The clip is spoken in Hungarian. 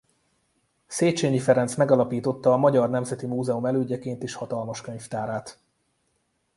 Széchényi Ferenc megalapította a Magyar Nemzeti Múzeum elődjeként is hatalmas könyvtárát.